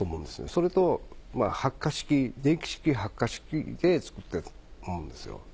それと、発火式、電気式発火式で作ったものですよ。